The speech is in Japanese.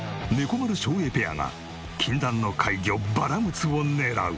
こまる・照英ペアが禁断の怪魚バラムツを狙う！